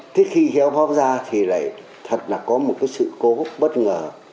thế khi kéo pháo ra thì lại thật là có một sự cố gốc bất ngờ